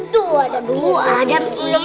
tuh ada dua ada dua